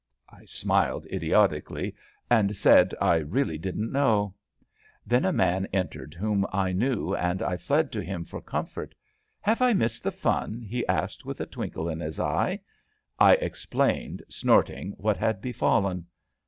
I smiled idiotically, and said I really didn't know. Then a man entered whom I knew, and I fled to him for comfort. Have I missed the fun! '' he asked with a twinkle in his eye. I explained, snorting, what had befallen.